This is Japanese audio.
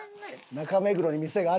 中目黒に店がある。